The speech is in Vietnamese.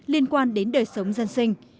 liên quan đến đời sống dân sinh